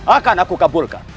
akan aku kabulkan